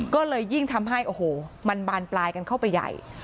ก็เลยยิ่งทำให้โอ้โหมันบานปลายกันเข้าไปใหญ่